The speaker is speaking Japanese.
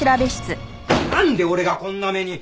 なんで俺がこんな目に！